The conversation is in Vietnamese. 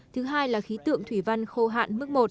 thứ hai là khí tượng thủy văn khô hạn mức một